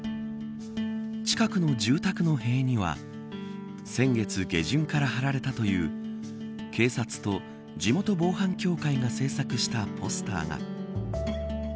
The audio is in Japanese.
近くの住宅の塀には先月下旬から貼られたという警察と地元防犯協会が制作したポスターが。